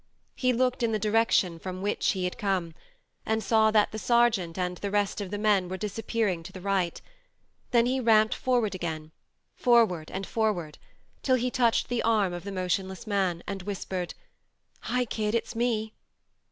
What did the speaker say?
He looked in the direction from which he had K 130 THE MARNE come, and saw that the sergeant and the rest of the men were disappearing to the right ; then he ramped forward again, forward and forward, till he touched the arm of the motionless man and whispered :" Hi, kid, it's me.